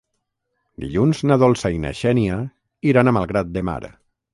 Dilluns na Dolça i na Xènia iran a Malgrat de Mar.